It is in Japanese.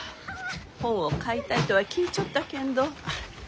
本を買いたいとは聞いちょったけんど。